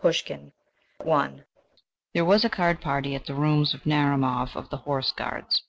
PUSHKIN I There was a card party at the rooms of Narumov of the Horse Guards.